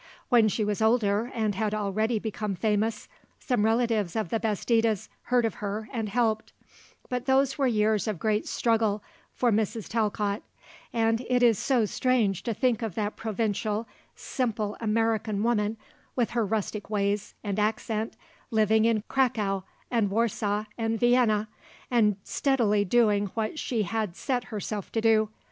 When she was older and had already become famous, some relatives of the Bastidas heard of her and helped; but those were years of great struggle for Mrs. Talcott; and it is so strange to think of that provincial, simple American woman with her rustic ways and accent, living in Cracow and Warsaw, and Vienna, and steadily doing what she had set herself to do.